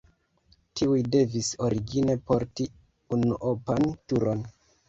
Tiuj devis origine porti unuopan turon.